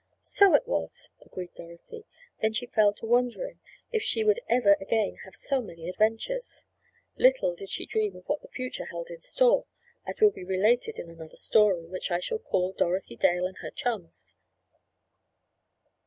"So it was," agreed Dorothy. Then she fell to wondering if she would ever again have so many adventures. Little did she dream of what the future held in store, as will be related in another story, which I shall call, "Dorothy Dale and Her Chums."